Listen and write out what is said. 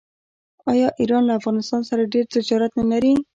آیا ایران له افغانستان سره ډیر تجارت نلري؟